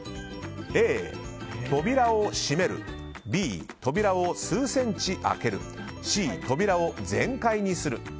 Ａ、扉を閉めるＢ、扉を数センチ開けるＣ、扉を全開にする。